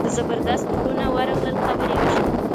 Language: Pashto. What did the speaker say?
د زبردست وروڼه ورغلل قبر یې وشان.